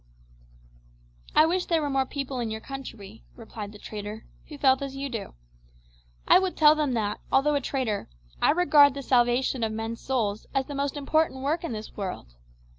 "I wish there were more people in your country," replied the trader, "who felt as you do. I would tell them that, although a trader, I regard the salvation of men's souls as the most important work in this world.